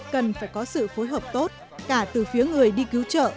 cần phải có sự phối hợp tốt cả từ phía người đi cứu trợ